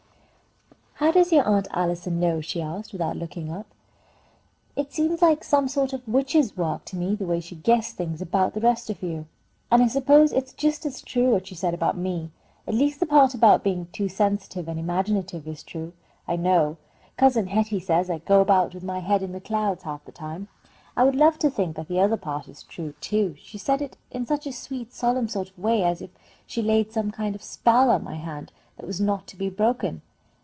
"How does your Aunt Allison know?" she asked, without looking up. "It seems like some sort of witches' work to me, the way she guessed things about the rest of you; and I suppose it's just as true what she said about me, at least the part about being too sensitive and imaginative is true, I know. Cousin Hetty says I go about with my head in the clouds half the time. I would love to think that the other part is true, too. She said it in such a sweet solemn sort of a way, as if she laid some kind of a spell on my hand that was not to be broken.